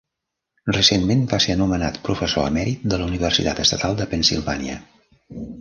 Recentment va ser anomenat professor emèrit de la Universitat Estatal de Pennsilvània.